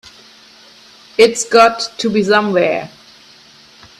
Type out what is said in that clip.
It's got to be somewhere.